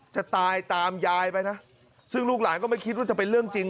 จะตายตามยายไปนะซึ่งลูกหลานก็ไม่คิดว่าจะเป็นเรื่องจริง